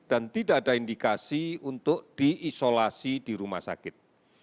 dan tidak ada indikasi untuk diisolasi di rumah sakit